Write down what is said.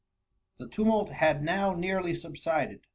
The tumult had now nearly subsided.